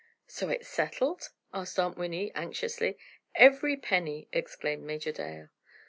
"So it's settled?" said Aunt Winnie, anxiously. "Every penny," exclaimed Major Dale.